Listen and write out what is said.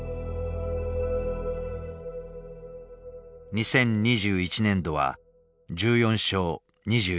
２０２１年度は１４勝２４敗。